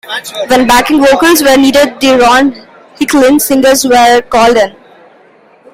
When backing vocals were needed the Ron Hicklin Singers were called in.